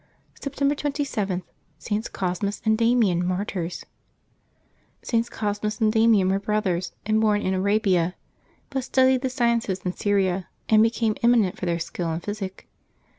September 27.— STS. COSMAS and DAMIAN, Martyrs. [TS. CosMAS and Bamian were brothers, and born in Arabia, but studied the sciences in Syria, and be came eminent for their skill in physic.